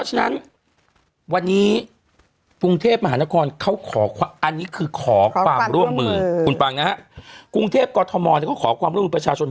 คุณปังนะครับกรุงเทพฯกทมก็ขอความร่วมมือประชาชน